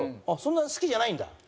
あっそんな好きじゃないんだ？